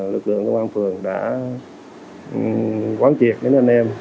lực lượng công an phường đã quán triệt đến anh em